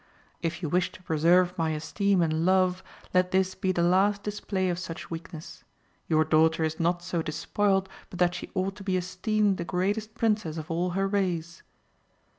If you wish to preserve my esteem and love, let this be the last display of such weakness. Your daughter is not so despoiled, but that she ought to be esteemed the greatest princess of all her race.